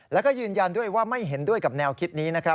แล้วก็ยืนยันด้วยว่าไม่เห็นด้วยกับแนวคิดนี้นะครับ